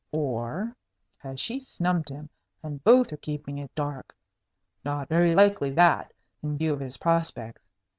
Or has she snubbed him, and both are keeping it dark? Not very likely, that, in view of his prospects.